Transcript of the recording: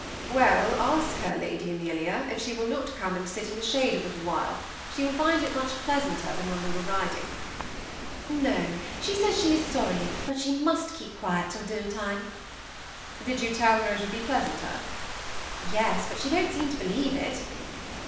" Well, ask her. Lady Amelia, if she will not come and sit in the shade a little while ; she will find it much pleasanter than it was when we were riding." 2 26 THE SEMI ATTACHED COUPLE. " No ; she says she is sorry, but she must keep quiet till dinner time." " Did you tell her it would be pleasanter ?"" Yes ; but she don't seem to believe it."